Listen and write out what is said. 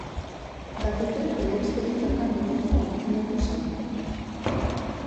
Batez ere telebistekin daukan negozioa utzi nahi du salbu.